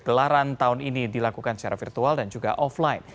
gelaran tahun ini dilakukan secara virtual dan juga offline